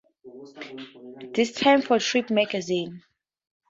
This time for Trip magazine.